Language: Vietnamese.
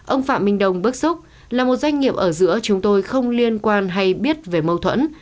ông phạm minh đồng bức xúc là một doanh nghiệp ở giữa chúng tôi không liên quan hay biết về mâu thuẫn